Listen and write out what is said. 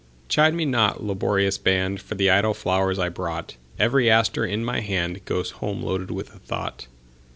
Chide me not, laborious band, For the idle flowers I brought; Every aster in my handGoes home loaded with a thought.